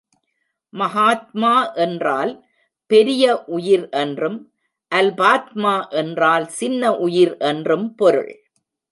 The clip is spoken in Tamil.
மகாத்மா என்றால் பெரிய உயிர் என்றும் அல்பாத்மா என்றால் சின்ன உயிர் என்றும் பொருள்.